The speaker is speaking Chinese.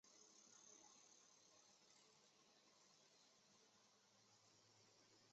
天庆是日本的年号。